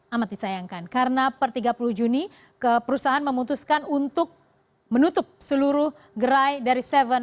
amat disayangkan karena per tiga puluh juni perusahaan memutuskan untuk menutup seluruh gerai dari tujuh